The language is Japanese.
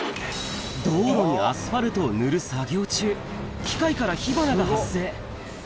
道路にアスファルトを塗る作業中、機械から火花が発生。